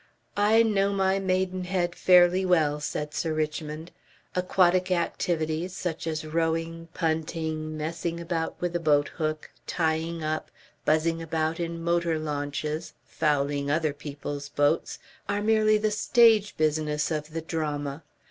"I know my Maidenhead fairly well," said Sir Richmond. "Aquatic activities, such as rowing, punting, messing about with a boat hook, tying up, buzzing about in motor launches, fouling other people's boats, are merely the stage business of the drama.